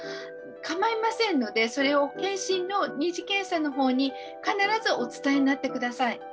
かまいませんのでそれを健診の二次検査の方に必ずお伝えになって下さい。